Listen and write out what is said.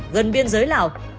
gần biên giới lào